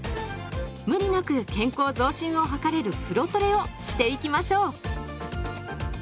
無理なく健康増進を図れる風呂トレをしていきましょう。